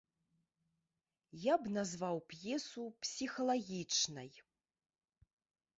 Я б назваў п'есу псіхалагічнай.